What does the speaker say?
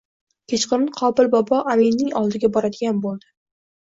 Kechqurun Qobil bobo aminning oldiga boradigan bo‘ldi